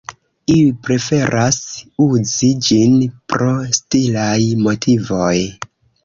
Iuj preferas uzi ĝin pro stilaj motivoj.